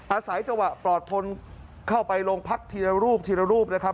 อาศัยจังหวะปลอดพลเข้าไปโรงพักทีละรูปทีละรูปนะครับ